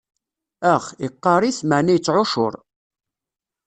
Ax, iqqaṛ-it, meɛna ittɛuccuṛ.